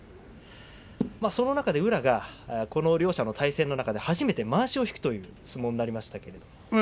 その中で宇良が両者の対戦の中で初めてまわしを引くという相撲になりました。